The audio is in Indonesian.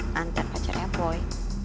mantan pacarnya boy